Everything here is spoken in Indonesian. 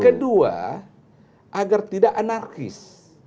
kedua agar tidak anarkis